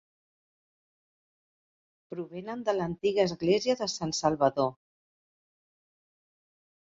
Provenen de l'antiga església de Sant Salvador.